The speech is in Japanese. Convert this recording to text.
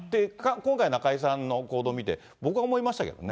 今回、中居さんの行動見て、僕は思いましたけどね。